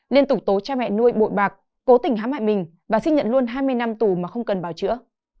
liên tục tố cha mẹ nuôi bội bạc cố tình hám hại mình và xin nhận luôn hai mươi năm tù mà không cần bào chữa